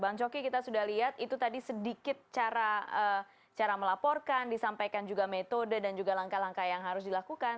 bang coki kita sudah lihat itu tadi sedikit cara melaporkan disampaikan juga metode dan juga langkah langkah yang harus dilakukan